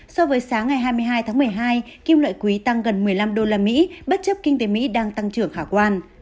so với sáng ngày hai mươi hai tháng một mươi hai kim loại quý tăng gần một mươi năm usd bất chấp kinh tế mỹ đang tăng trưởng khả quan